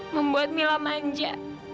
membuat mila manja